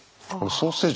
ソーセージ。